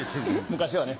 昔はね。